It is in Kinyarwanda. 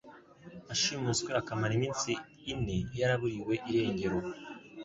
ashimuswe akamara iminsi ine yaraburiwe irengero.